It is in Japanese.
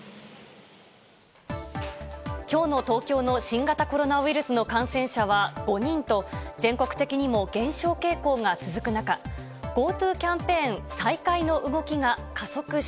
きょうの東京の新型コロナウイルスの感染者は５人と、全国的にも減少傾向が続く中、ＧｏＴｏキャンペーン再開の動きが加速